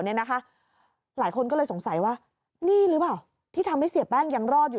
หลายคนก็เลยสงสัยว่านี่หรือเปล่าที่ทำให้เสียแป้งยังรอดอยู่